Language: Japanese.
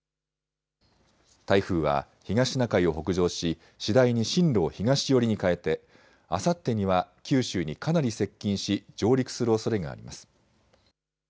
台風は東シナ海を北上し次第に進路を東寄りに変えて、あさってには九州にかなり接近し上陸するおそれがあります。